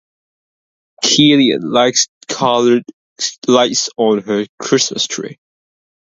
Killian likes colored lights on her Christmas tree.